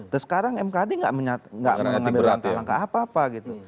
terus sekarang mkd gak mengambil langkah apa apa gitu